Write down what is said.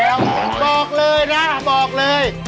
บอกเลยนะบอกเลย